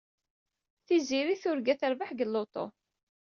Tiziri turga terbeḥ deg uluṭu.